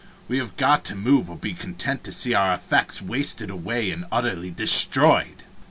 We have got to move or be content to see our effects wasted away and utterly destroyed.